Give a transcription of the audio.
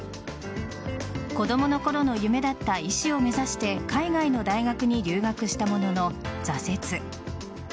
子供のころの夢だった医師を目指して海外の大学に留学したものの挫折。